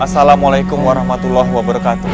assalamualaikum warahmatullahi wabarakatuh